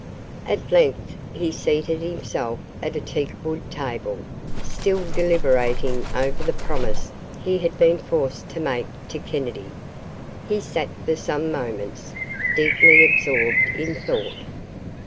At length he seated himself at a teakwood table, still deliberating over the promise he had been forced to make to Kennedy. He sat for some moments, deeply absorbed in thought.